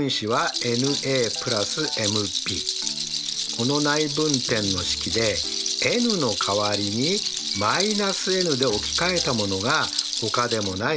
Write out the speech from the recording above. この内分点の式でｎの代わりに−ｎでおきかえたものがほかでもない